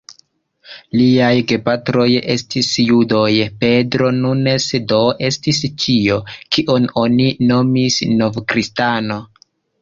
Liaj gepatroj estis judoj; Pedro Nunes do estis tio, kion oni nomis "nov-kristano".